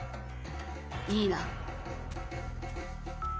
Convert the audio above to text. いいな。